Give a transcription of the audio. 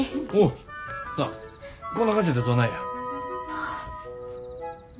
なあこんな感じでどないや。